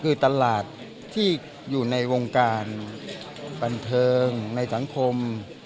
คือตลาดที่อยู่ในวงการบันเทิงในสังคม